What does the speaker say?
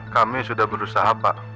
kami sudah berusaha pak